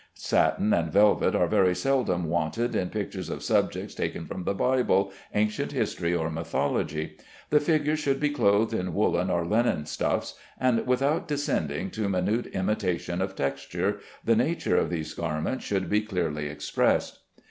Satin and velvet are very seldom wanted in pictures of subjects taken from the Bible, ancient history, or mythology. The figures should be clothed in woollen or linen stuffs, and without descending to minute imitation of texture, the nature of these garments should be clearly expressed.